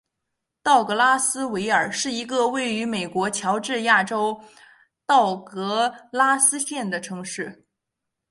道格拉斯维尔是一个位于美国乔治亚州道格拉斯县的城市。